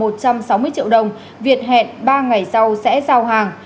một trăm sáu mươi triệu đồng việt hẹn ba ngày sau sẽ giao hàng